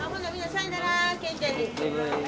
さいなら！